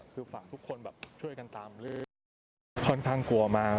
คือฝากทุกคนแบบช่วยกันตามหรือค่อนข้างกลัวมาก